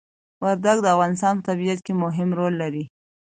وردګ د افغانستان په طبيعت کي مهم ړول لري